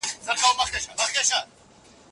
آيا حکومت کول د زور کارول دي؟